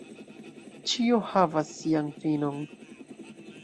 Ĉio havas sian finon.